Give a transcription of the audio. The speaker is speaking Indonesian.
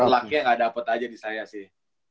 lucky yang gak dapet aja di saya sih